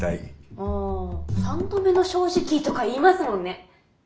ああ「三度目の正直」とか言いますもんね！